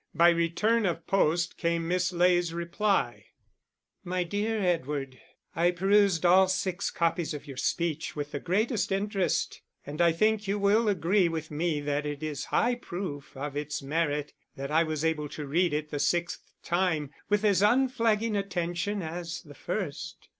By return of post came Miss Ley's reply. _My dear Edward, I perused all six copies of your speech with the greatest interest; and I think you will agree with me that it is high proof of its merit that I was able to read it the sixth time with as unflagging attention as the first.